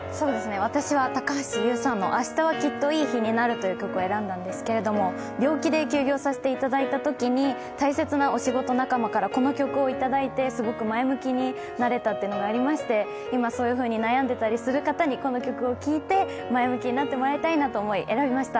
私は高橋優さんの「明日はきっといい日になる」という曲を選んだんですけれども病気で休業させていただいたときに、大切なお仕事仲間からこの曲をいただいてすごく前向きになれたということがありまして今、そういうふうに悩んでいる方にこの曲を聴いて前向きになってもらいたいと思い選びました。